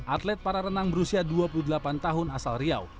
atlet para renang berusia dua puluh delapan tahun asal riau